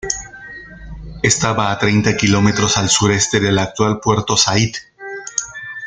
Estaba a treinta kilómetros al sureste del actual Puerto Saíd.